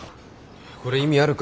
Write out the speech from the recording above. これ意味あるか？